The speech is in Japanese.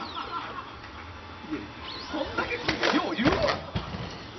いやいや、そんだけ食うてよう言うわ！